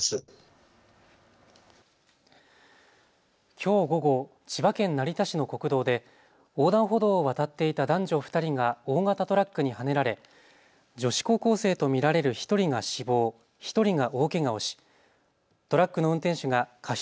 きょう午後、千葉県成田市の国道で横断歩道を渡っていた男女２人が大型トラックにはねられ女子高校生と見られる１人が死亡、１人が大けがをし、トラックの運転手が過失